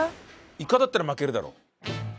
イカだったら巻けるだろ。